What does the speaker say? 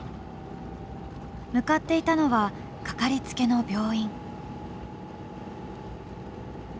向かっていたのは掛かりつけの病院。